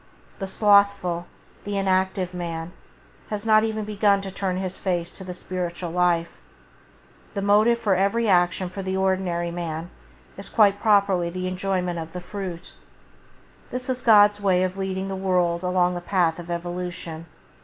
The slothful, the inactive man has not even begun to turn his face to the spiritual life. The motive for action for the ordinary man is quite properly the enjoyment of the fruit. This is God's way of leading the world along the path of evolution.